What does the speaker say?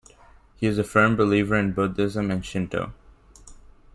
He is a firm believer in Buddhism and Shinto.